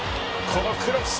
このクロス。